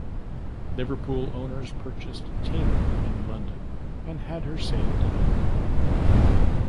Liverpool owners purchased "Tamer" in London and had her sail to Liverpool.